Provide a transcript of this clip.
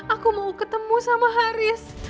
aku mau ketemu sama haris